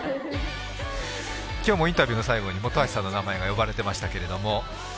今日もインタビューの最後に本橋さんの名前が呼ばれてましたけども。